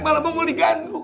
malah mongol diganggu